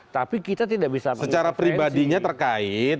tapi kita tidak bisa secara pribadinya terkait